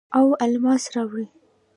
او الماس راوړي